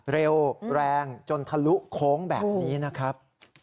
เร็วแรงจนทะลุโค้งแบบนี้นะครับ